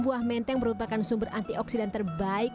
buah menteng merupakan sumber antioksidan terbaik